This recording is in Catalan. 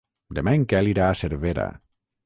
Demà en Quel irà a Cervera.